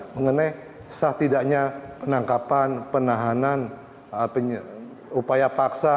mengenai setidaknya penangkapan penahanan upaya paksa